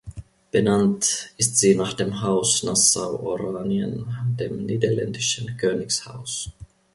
Benannt ist sie nach dem Haus Nassau-Oranien, dem niederländischen Königshaus.